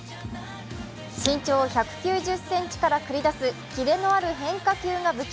身長１９０ｃｍから繰り出すキレのある変化球が武器。